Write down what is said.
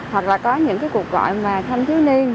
hoặc là có những cuộc gọi thanh thiếu niên